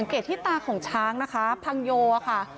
ที่ตาของช้างนะคะพังโยค่ะ